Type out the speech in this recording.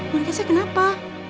nun kasia kenapa